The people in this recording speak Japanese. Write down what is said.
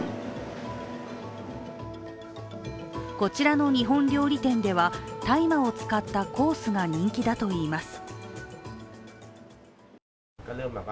こちらの日本料理店では大麻を使ったコースが人気だといいます。